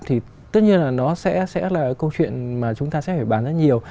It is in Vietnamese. thì tất nhiên là nó sẽ là câu chuyện mà chúng ta sẽ phải bàn rất nhiều